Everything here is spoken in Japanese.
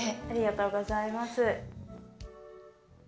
ありがとうございます。